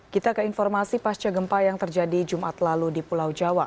kita ke informasi pasca gempa yang terjadi jumat lalu di pulau jawa